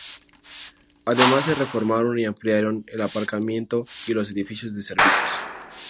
Además se reformaron y ampliaron el aparcamiento y los edificios de servicios.